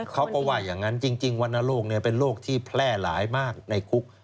เขาก็ว่าอย่างนั้นจริงวรรณโรคเป็นโรคที่แพร่หลายมากในคุก